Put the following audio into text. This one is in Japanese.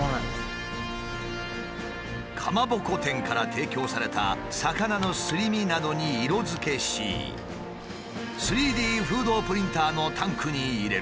かまぼこ店から提供された魚のすり身などに色づけし３Ｄフードプリンターのタンクに入れる。